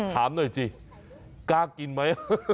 ถามหน่อยสิกล้ากินไหม